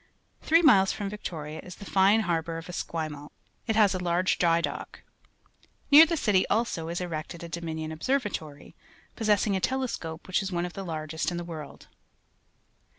Three miles from Victoria is the fine harbour of Esquimalt; it has a large jiry^dock. Near the^cityTalso, is erected a Dominio n Observatory, possess ing a telescope which is one of the largest in the world.